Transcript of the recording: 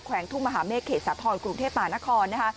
แขวงทุ่งมหาเมฆเขตสาธรณ์กรุงเทพป่านคร